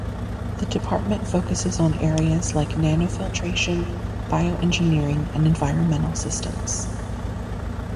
The department focuses on areas like Nanofiltration, Bioengineering and Environmental systems.